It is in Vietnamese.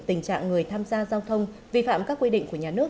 tình trạng người tham gia giao thông vi phạm các quy định của nhà nước